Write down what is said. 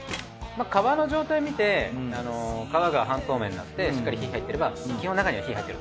皮の状態見て皮が半透明になってしっかり火入ってれば基本中には火入ってる。